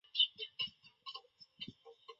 圈内笑话中的成员才能领会到笑点的笑话。